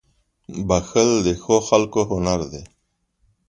• بښل د ښو خلکو هنر دی.